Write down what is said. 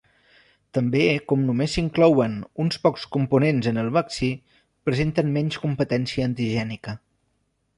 També com només s'inclouen uns pocs components en el vaccí, presenten menys competència antigènica.